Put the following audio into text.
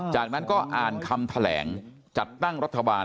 จากนั้นก็อ่านคำแถลงจัดตั้งรัฐบาล